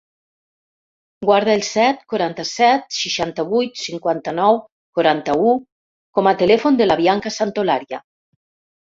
Guarda el set, quaranta-set, seixanta-vuit, cinquanta-nou, quaranta-u com a telèfon de la Bianca Santolaria.